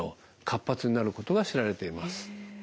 活発になることが知られています。